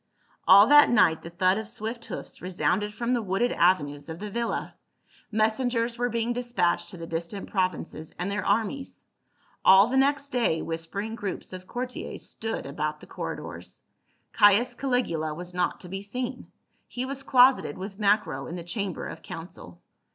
All that nicfht the thud of swift hoofs resounded THE PHYSICIAN AND THE EMPEROR. 105 from the wooded avenues of the villa ; messengers were being despatched to the distant provinces and their armies. All the next day whispering groups of courtiers stood about the corridors. Caius Caligula was not to be seen, he was closeted with Macro in the chamber of council.